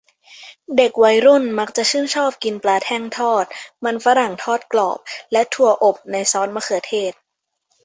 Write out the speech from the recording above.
เด็กวัยรุ่นมักจะชื่นชอบกินปลาแท่งทอด มันฝรั่งทอดกรอบ และถั่วอบในซอสมะเขือเทศ